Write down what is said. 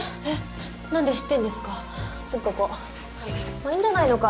まっいいんじゃないのか？